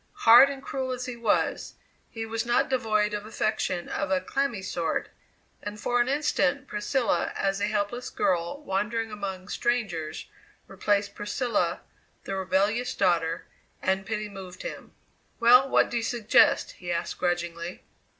Hard and cruel as he was, he was not devoid of affection of a clammy sort, and for an instant Priscilla as a helpless girl wandering among strangers replaced Priscilla, the rebellious daughter, and pity moved him. "Well, what do you suggest?" he asked grudgingly.